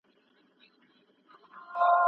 دا جګړه حتمي ښکاري.